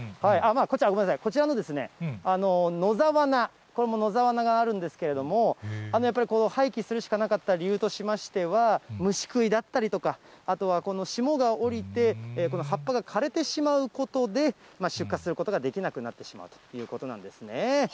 こちら、ごめんなさい、こちらの野沢菜、これ、野沢菜があるんですけど、やっぱりこの廃棄するしかなかった理由としましては、虫食いだったりとか、あとはこの霜が降りて、この葉っぱが枯れてしまうことで、出荷することができなくなってしまうということなんですね。